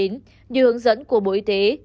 như hướng dẫn của bộ y tế